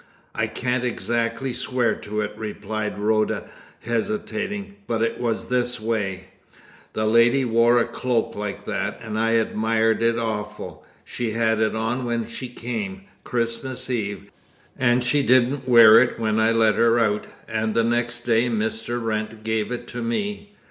"I can't exactly swear to it," replied Rhoda, hesitating, "but it was this way: The lady wore a cloak like that, and I admired it awful. She had it on when she came, Christmas Eve, and she didn't wear it when I let her out, and the next day Mr. Wrent gave it to me.